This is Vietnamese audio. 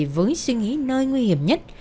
với suy nghĩ nơi nguy hiểm nhất